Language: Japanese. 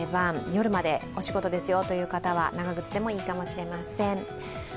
夜までお仕事の方は長靴でもいいかもしれません。